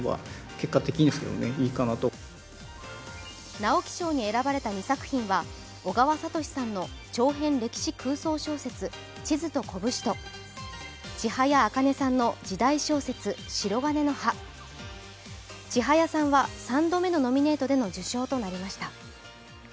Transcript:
直木賞に選ばれた２作品は小川哲さんの長編歴史空想小説「地図と拳」と、千早茜さんの時代小説、「しろがねの葉」。千早さんは３度目のノミネートでの受賞となりました。